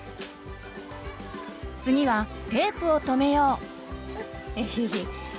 次はテープを留めよう！